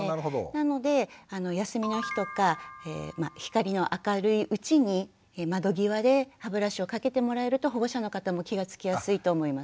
なので休みの日とか光の明るいうちに窓際で歯ブラシをかけてもらえると保護者の方も気が付きやすいと思います。